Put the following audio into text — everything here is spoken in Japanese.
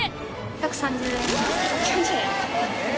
１３０円？